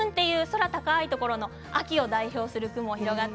巻雲という空の高いところの秋を代表する雲です。